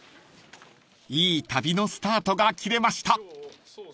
［いい旅のスタートが切れました］